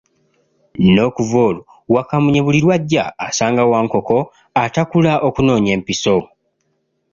N'okuva olwo Wakamunye buli lw'ajja, asanga Wankoko atakula okunoonya empiso.